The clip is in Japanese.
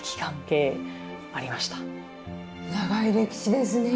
長い歴史ですね。